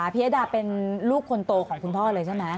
พิยดาเป็นลูกคนโตของคุณพ่อเลยใช่ไหม